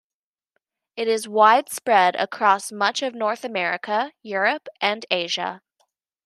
It is widespread across much of North America, Europe and Asia.